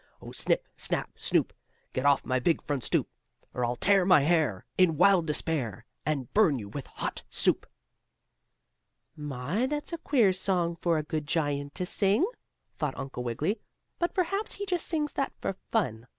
Oh, snip, snap, snoop! Get off my big front stoop, Or I'll tear my hair In wild despair, And burn you with hot soup!" "My, that's a queer song for a good giant to sing," thought Uncle Wiggily. "But perhaps he just sings that for fun.